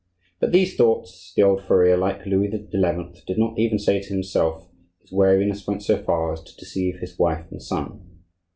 But these thoughts the old furrier, like Louis XI., did not even say to himself; his wariness went so far as to deceive his wife and son.